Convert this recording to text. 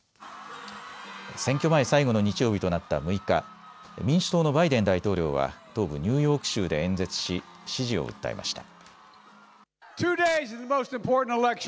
選挙前最後の日曜日となった６日、民主党のバイデン大統領は東部ニューヨーク州で演説し支持を訴えました。